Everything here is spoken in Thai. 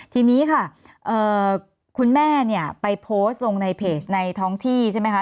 ทีนี้ค่ะคุณแม่เนี่ยไปโพสต์ลงในเพจในท้องที่ใช่ไหมคะ